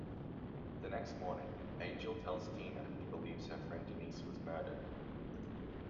The next morning, Angel tells Tina he believes her friend Denise was murdered.